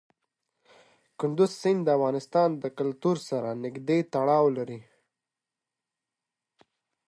کندز سیند د افغان کلتور سره نږدې تړاو لري.